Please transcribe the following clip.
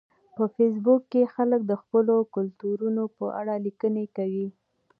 په فېسبوک کې خلک د خپلو کلتورونو په اړه لیکنې کوي